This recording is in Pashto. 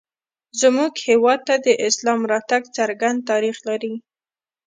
زموږ هېواد ته د اسلام راتګ څرګند تاریخ لري